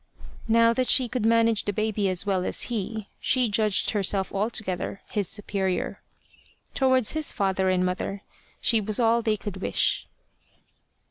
Now that she could manage the baby as well as he, she judged herself altogether his superior. Towards his father and mother, she was all they could wish.